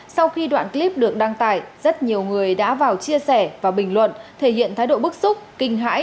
sau khi đoạn clip được đăng tải rất nhiều người đã vào chia sẻ và bình luận thể hiện thái độ bức xúc kinh hãi